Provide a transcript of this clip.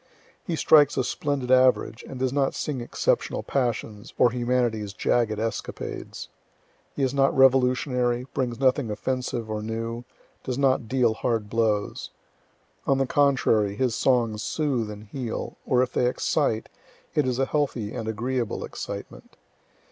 He strikes a splendid average, and does not sing exceptional passions, or humanity's jagged escapades. He is not revolutionary, brings nothing offensive or new, does not deal hard blows. On the contrary, his songs soothe and heal, or if they excite, it is a healthy and agreeable excitement.